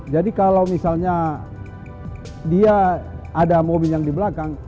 jadi kalau misalnya dia ada mobil yang di belakang